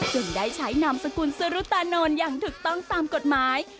ได้ใช้นามสกุลสรุตานนท์อย่างถูกต้องตามกฎหมาย